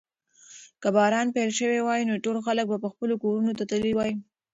که باران پیل شوی وای نو ټول خلک به خپلو کورونو ته تللي وای.